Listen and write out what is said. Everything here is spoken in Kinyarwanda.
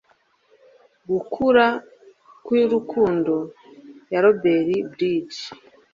gukura kw'urukundo ya robert bridges